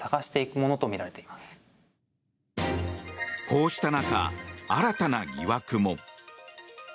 こうした中、新たな疑惑も。